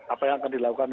apa yang akan dilakukan